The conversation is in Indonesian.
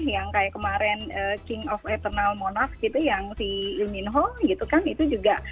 yang kayak kemarin king of eternal monarch gitu yang si il min ho gitu kan itu juga